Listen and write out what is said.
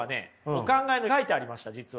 お考えに書いてありました実は。